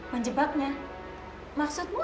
menjebaknya maksudmu apa